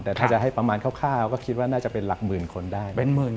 แต่ถ้าจะให้ประมาณคร่าวก็คิดว่าน่าจะเป็นหลักหมื่นคนได้